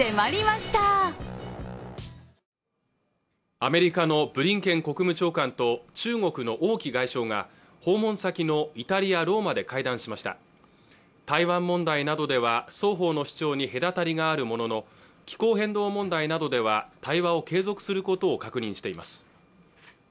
アメリカのブリンケン国務長官と中国の王毅外相が訪問先のイタリアローマで会談しました台湾問題などでは双方の主張に隔たりがあるものの気候変動問題などでは対話を継続することを確認しています